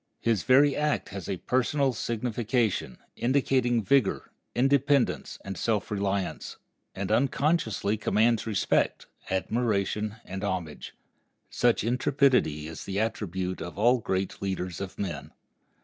His very act has a personal signification, indicating vigor, independence, and self reliance, and unconsciously commands respect, admiration, and homage. Such intrepidity is the attribute of all great leaders of men.